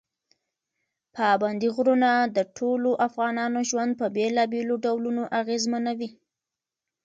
پابندي غرونه د ټولو افغانانو ژوند په بېلابېلو ډولونو اغېزمنوي.